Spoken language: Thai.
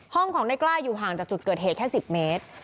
ห้องของในกล้าอยู่ห่างจากจุดเกิดเหตุแค่๑๐เมตร